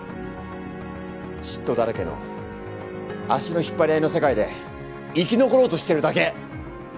嫉妬だらけの足の引っ張り合いの世界で生き残ろうとしてるだけ。